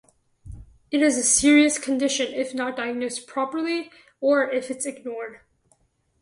It is a serious condition if not diagnosed properly, or if it's ignored.